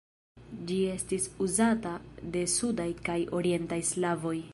Ĝi estis uzata de sudaj kaj orientaj slavoj.